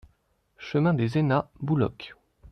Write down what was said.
Chemin des Aynats, Bouloc